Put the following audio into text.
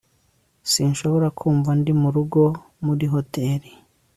sinshobora kumva ndi murugo muri hoteri